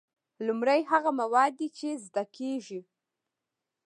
لومړی هغه مواد دي چې زده کیږي.